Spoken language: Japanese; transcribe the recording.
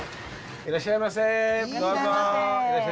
いらっしゃいませ、どうぞ。